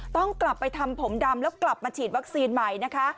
ต้องกลับไปทำผมดำแล้วกลับมาฉีดวัคซีนใหม่นะคะ